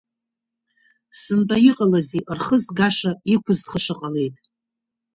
Сынтәа иҟалазеи, рхы згаша, иқәызхыша ҟалеит!